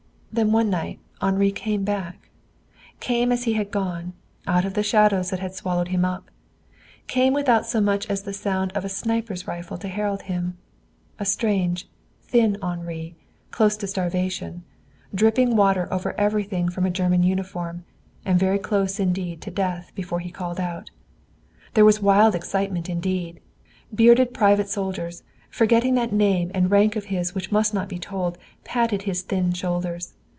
Then one night Henri came back came as he had gone, out of the shadows that had swallowed him up; came without so much as the sound of a sniper's rifle to herald him. A strange, thin Henri, close to starvation, dripping water over everything from a German uniform, and very close indeed to death before he called out. There was wild excitement indeed. Bearded private soldiers, forgetting that name and rank of his which must not be told, patted his thin shoulders.